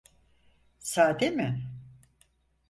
Sade mi?